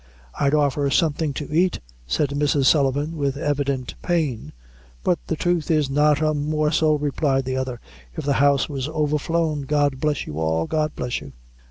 "I'd offer something to ait," said Mrs. Sullivan, with evident pain, "but the truth is " "Not a morsel," replied the other, "if the house was overflown.'. God bless you all God bless you."